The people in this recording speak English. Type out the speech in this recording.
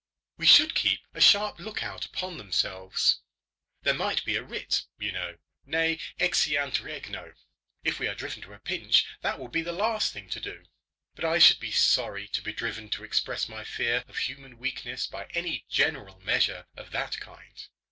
"We should keep a sharp look out upon themselves. There might be a writ, you know, ne exeant regno. If we are driven to a pinch, that will be the last thing to do. But I should be sorry to be driven to express my fear of human weakness by any general measure of that kind.